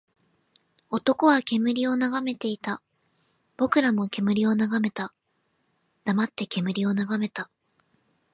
男は煙を眺めていた。僕らも煙を眺めた。黙って煙を眺めた。